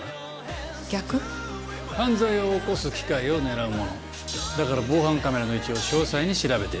犯罪を起こす機会を狙う者だから防犯カメラの位置を詳細に調べている。